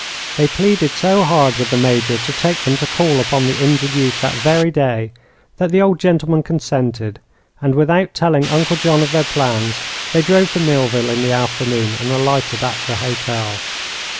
They pleaded so hard with the Major to take them to call upon the injured youth that very day, that the old gentleman consented, and, without telling Uncle John of their plans, they drove to Millville in the afternoon and alighted at the hotel.